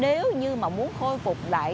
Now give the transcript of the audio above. nếu như mà muốn khôi phục lại